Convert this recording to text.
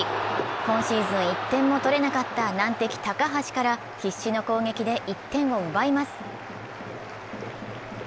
今シーズン１点も取れなかった難敵・高橋から必死の攻撃で１点を奪います。